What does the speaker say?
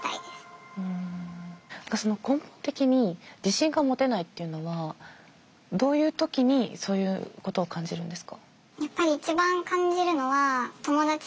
根本的に自信が持てないっていうのはどういう時にそういうことを感じるんですか？